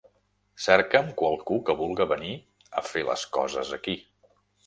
Cercam qualcú que vulga venir a fer les coses aquí.